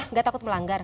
nggak takut melanggar